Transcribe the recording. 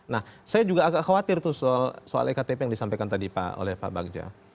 nah saya juga agak khawatir tuh soal ektp yang disampaikan tadi oleh pak bagja